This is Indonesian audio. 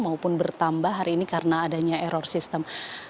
maupun bertambah hari ini karena adanya error sistem